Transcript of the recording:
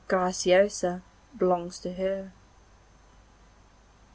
Graciosa belongs to her!